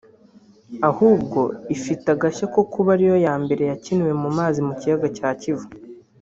ahubwo ifite agashya ko kuba ari yo ya mbere yakiniwe mu mazi mu kiyaga cya Kivu